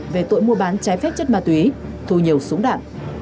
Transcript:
về tội mua bán trái phép chất ma túy thu nhiều súng đạn